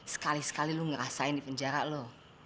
sekali sekali lo ngerasain di penjara lo